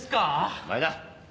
お前だ！